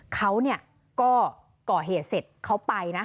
เขาก็ก่อเหตุเสร็จเขาไปนะ